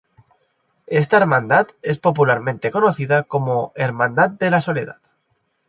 Esta Hermandad es popularmente conocida como Hermandad de La Soledad.